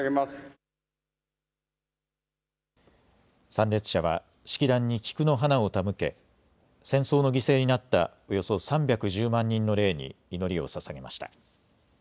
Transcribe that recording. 参列者は式壇に菊の花を手向け戦争の犠牲になったおよそ３１０万人の霊に祈りをささげました。